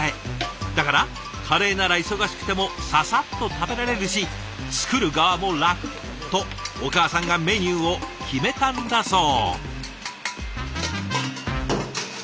だからカレーなら忙しくてもササッと食べられるし作る側も楽とお母さんがメニューを決めたんだそう。